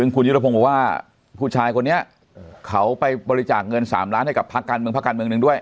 คุณยุตภงบอกว่าผู้ชายคนนี้เขาไปบริจาคเงิน๓ล้านให้กับพระการเมืองด้วย